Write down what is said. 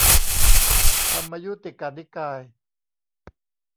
ธรรมยุติกนิกาย